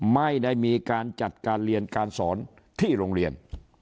ไม่ได้มีการจัดการเรียนการสอนที่โรงเรียน